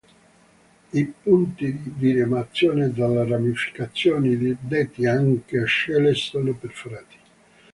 I punti di diramazione delle ramificazioni, detti anche "ascelle", sono perforati.